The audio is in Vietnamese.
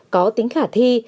có tính khả thi